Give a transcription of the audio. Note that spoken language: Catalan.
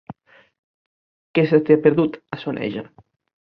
Què se t'hi ha perdut, a Soneja?